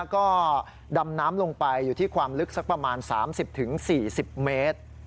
ก็ดำน้ำลงไปอยู่ที่ความลึกสักประมาณ๓๐๔๐เมตร